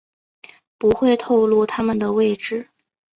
不会透漏他们的位置